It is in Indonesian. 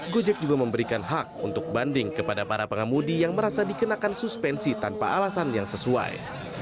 gojek juga memberikan hak untuk banding kepada para pengemudi yang merasa dikenakan suspensi tanpa alasan yang sesuai